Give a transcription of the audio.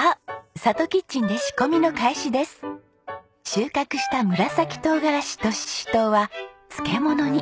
収穫した紫とうがらしとししとうは漬物に。